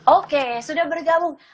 oke sudah bergabung